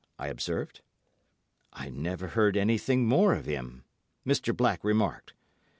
I observed. "I never heard anything more of him," Mr. Black remarked.